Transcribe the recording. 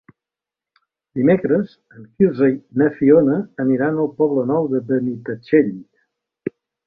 Dimecres en Quirze i na Fiona aniran al Poble Nou de Benitatxell.